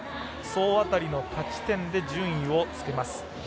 総当たりの勝ち点で順位をつけます。